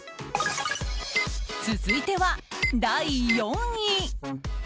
続いては、第４位。